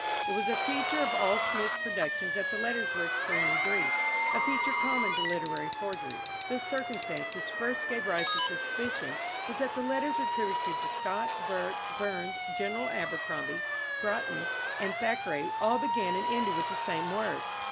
It was a feature of all Smith's productions that the letters were extremely brief a feature common to literary forgeries. The circumstance which first gave rise to suspicion was that the letters attributed to Scott, Burke, Burns, General Abercrombie, Grattan and Thackeray all began and ended with the same words.